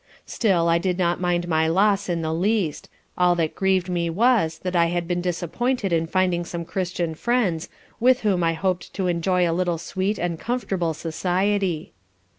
Still I did not mind my loss in the least; all that grieved me was, that I had been disappointed in finding some Christian friends, with whom I hoped to enjoy a little sweet and comfortable society.